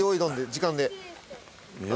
時間で。